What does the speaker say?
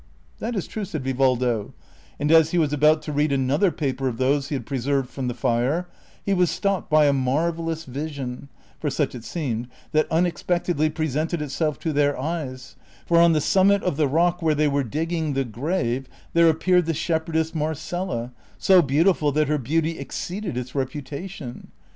" That is true," said Yivaldo ; and as he was about to read another paper of those he had preserved from the fire, he Avas stopped by a marvellous vision (for such it seemed) that unex pectedly presented itself to their eyes ; for on the summit of the rock where they were digging the grave there appeared the shepherdess Marcela, so beautiful that her beaut}" exceeded its reputation.